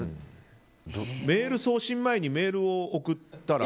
メール送信前にメールを送ったら。